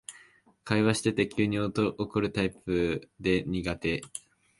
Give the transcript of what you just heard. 会話してて急に怒るタイプで苦手